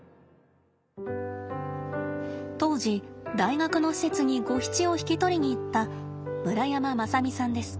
当時大学の施設にゴヒチを引き取りに行った村山正巳さんです。